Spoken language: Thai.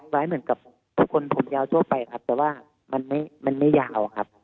ไว้เหมือนกับทุกคนผมยาวทั่วไปครับแต่ว่ามันไม่ยาวครับ